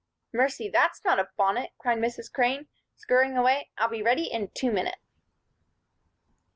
"Mercy! That's not a bonnet," cried Mrs. Crane, scurrying away. "I'll be ready in two minutes."